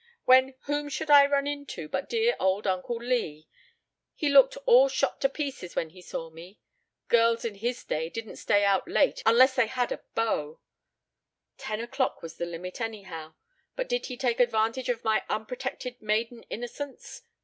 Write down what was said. when whom should I run into but dear old Uncle Lee. He looked all shot to pieces when he saw me. Girls in his day didn't stay out late unless they had a beau. Ten o'clock was the limit, anyhow. But did he take advantage of my unprotected maiden innocence?